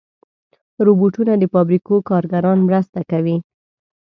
روبوټونه د فابریکو کارګران مرسته کوي.